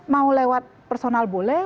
mau lewat personal boleh